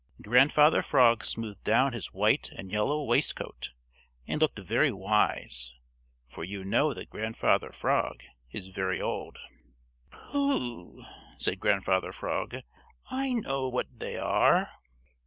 Grandfather Frog smoothed down his white and yellow waistcoat and looked very wise, for you know that Grandfather Frog is very old. "Pooh," said Grandfather Frog. "I know what they are."